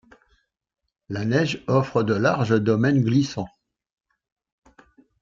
La neige offre de larges domaines glissants.